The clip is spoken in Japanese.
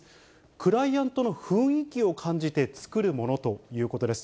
クライアントの雰囲気を感じて作るものということです。